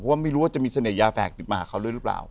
ว่าไม่รู้ว่าจะมีเสน่หยาแฝกติดมาหาเขาด้วยหรือเปล่า